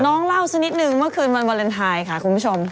เล่าสักนิดนึงเมื่อคืนวันวาเลนไทยค่ะคุณผู้ชม